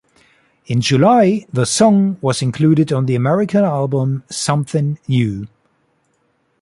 In July, the song was included on the American album "Something New".